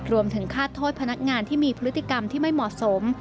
รวมถึงฆาตโทษพนักงานที่มีพฤติกรรมที่ไม่เหมาะสม